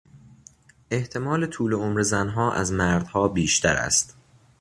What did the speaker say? احتمال طول عمر زنها از مردها بیشتر است.